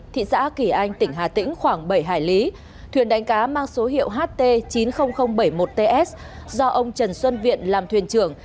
thị xã kỳ anh tỉnh hà tĩnh khoảng bảy hải lý thuyền đánh cá mang số hiệu ht chín mươi nghìn bảy mươi một ts do ông trần xuân viện làm thuyền trưởng